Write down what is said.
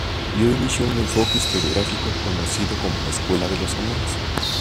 Dio inicio a un enfoque historiográfico conocido como la Escuela de los Annales.